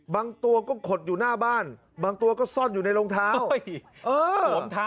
บางตัวก็ขดอยู่หน้าบ้านบางตัวก็ซ่อนอยู่ในรองเท้า